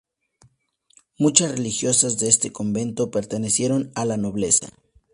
Muchas religiosas de este convento pertenecieron a la nobleza.